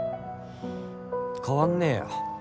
変わんねえよ